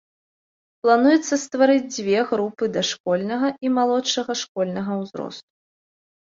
Плануецца стварыць дзве групы дашкольнага і малодшага школьнага ўзросту.